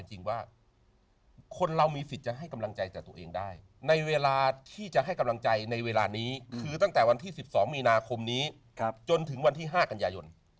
จริงว่าคนเรามีสิทธิ์จะให้กำลังใจจากตัวเองได้ในเวลาที่จะให้กำลังใจในเวลานี้คือตั้งแต่วันที่๑๒มีนาคมนี้จนถึงวันที่๕กันยายน